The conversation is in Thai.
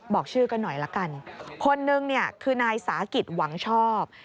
บอกชื่อกันหน่อยละกันคนนึงเนี่ยคือนายสาหกิจหวังชอบ